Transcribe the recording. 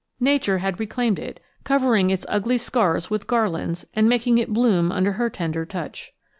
Nature had reclaimed it, covering its ugly scars with garlands, and making it bloom under her tender touch.